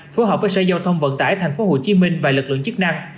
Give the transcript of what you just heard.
phù hợp với xe giao thông vận tải tp hcm và lực lượng chức năng